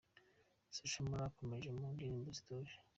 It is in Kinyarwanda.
Social Mula akomereje mu ndirimbo zituje.